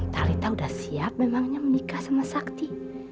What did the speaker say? talitha udah siap memangnya menikah sama sakti